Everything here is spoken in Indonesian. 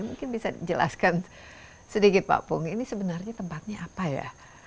mungkin bisa dijelaskan sedikit pak pung ini sebenarnya tempatnya apa ya